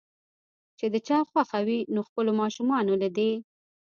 چې د چا خوښه وي نو خپلو ماشومانو له دې